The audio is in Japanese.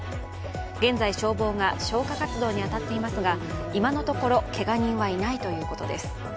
現在消防が消火活動に当たっていますが、今のところ、けが人はいないということです。